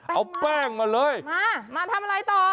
เอาแป้งมาเลยมามาทำอะไรต่อ